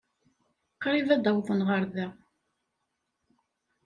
Qrib ad d-awḍen ɣer da.